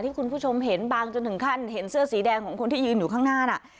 คุณผู้ชมเห็นบางจนถึงขั้นเห็นเสื้อสีแดงของคนที่ยืนอยู่ข้างหน้าน่ะ